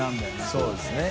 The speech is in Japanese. そうですね。